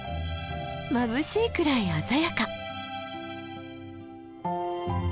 まぶしいくらい鮮やか。